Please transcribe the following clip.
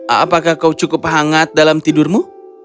apakah kau cukup hangat dalam tidurmu